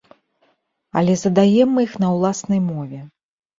Але задаем мы іх на ўласнай мове.